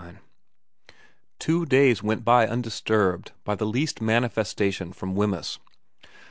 XXIX Two days went by undisturbed by the least manifesta tion from Wemyss.